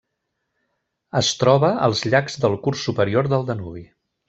Es troba als llacs del curs superior del Danubi.